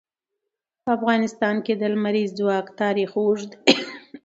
په افغانستان کې د لمریز ځواک تاریخ اوږد دی.